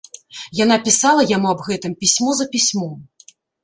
Яна пісала яму аб гэтым пісьмо за пісьмом.